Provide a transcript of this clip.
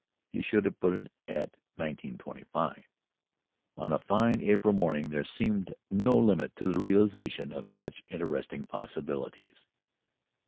He should have put it at 1925. On a fine April morning there seemed no limit to the realization of such interesting possibilities.